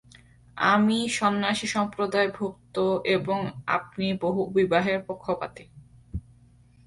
আমি সন্ন্যাসি-সম্প্রদায়ভুক্ত এবং আপনি বহুবিবাহের পক্ষপাতী।